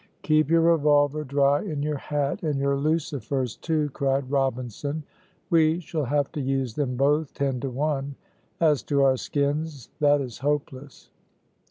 "Keep your revolver dry in your hat and your lucifers, too," cried Robinson. "We shall have to use them both, ten to one. As to our skins, that is hopeless."